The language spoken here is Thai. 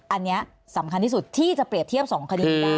อันนี้สำคัญที่สุดที่จะเปรียบเทียบ๒คดีได้